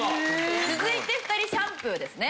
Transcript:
続いて２人シャンプーですね。